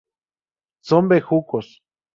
Son bejucos.